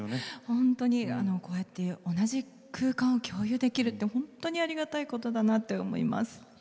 本当にこうやって同じ空間を共有できるって本当にありがたいことだなって思います。